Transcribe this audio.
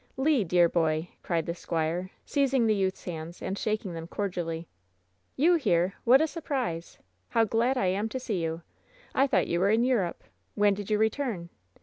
WHEN SHADOWS DIE 99 ^^Le, dear boy !" cried the squire, seizing the youth's hands and shaking them cordially. "You here ! What a surprise ! How glad I am to see you ! I thought you were in Europe. When did you re , turn